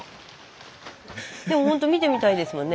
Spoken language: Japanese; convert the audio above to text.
でもほんと見てみたいですもんね